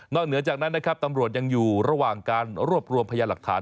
เหนือจากนั้นนะครับตำรวจยังอยู่ระหว่างการรวบรวมพยาหลักฐาน